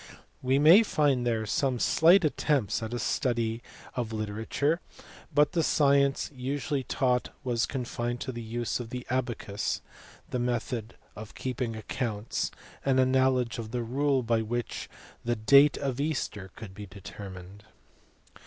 We may find there some slight attempts at a study of literature ; but the science usually taught was con fined to the use of the abacus, the method of keeping accounts, and a knowledge of the rule by which the date of Easter could be determined.